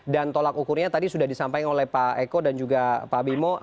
dan tolak ukurnya tadi sudah disampaikan oleh pak eko dan juga pak abimo